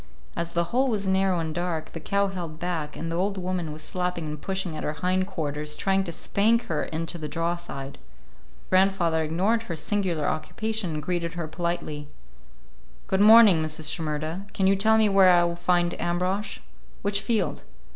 As the hole was narrow and dark, the cow held back, and the old woman was slapping and pushing at her hind quarters, trying to spank her into the draw side. Grandfather ignored her singular occupation and greeted her politely. "Good morning, Mrs. Shimerda. Can you tell me where I will find Ambrosch? Which field?"